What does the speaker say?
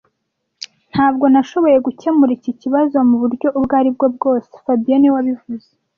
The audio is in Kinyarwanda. Ntabwo nashoboye gukemura iki kibazo muburyo ubwo aribwo bwose fabien niwe wabivuze